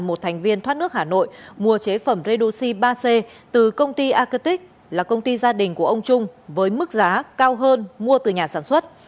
một thành viên thoát nước hà nội mua chế phẩm redoxi ba c từ công ty acate là công ty gia đình của ông trung với mức giá cao hơn mua từ nhà sản xuất